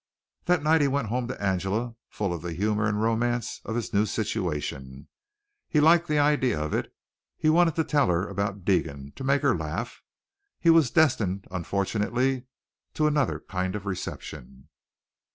That night he went home to Angela full of the humor and romance of his new situation. He liked the idea of it. He wanted to tell her about Deegan to make her laugh. He was destined unfortunately to another kind of reception.